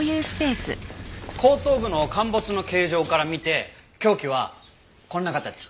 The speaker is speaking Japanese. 後頭部の陥没の形状から見て凶器はこんな形。